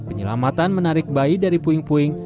penyelamatan menarik bayi dari puing puing